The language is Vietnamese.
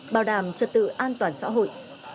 bảo đảm trật tự an toàn xã hội